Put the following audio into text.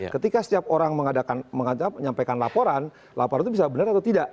ketika setiap orang menyampaikan laporan laporan itu bisa benar atau tidak